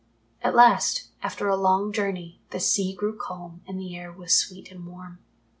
At last, after a long journey, the sea grew calm and the air was sweet and warm.